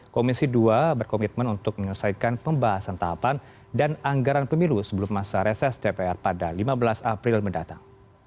komisi dua berkomitmen untuk menyelesaikan pembahasan tahapan dan anggaran pemilu sebelum masa reses dpr pada lima belas april mendatang